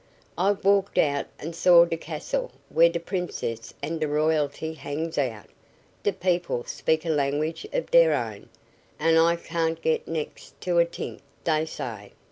I've walked out and saw d' castle where d' Princess and d' royalty hangs out. D' people speak a language of deir own, and I can't get next to a t'ink dey say.